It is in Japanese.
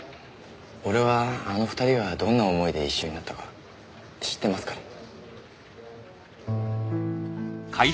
俺はあの２人がどんな思いで一緒になったか知ってますから。